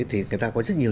thì người ta có rất nhiều